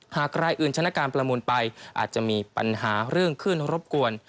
หากรายอื่นชนะการประมูลไปอาจจะมีปัญหาเรื่องขึ้นรบกวน